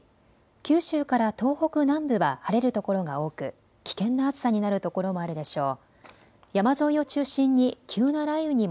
九州から東北南部は晴れる所が多く危険な暑さになる所もあるでしょう。